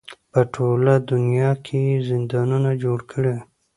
په ټوله دنیا کې یې زندانونه جوړ کړي.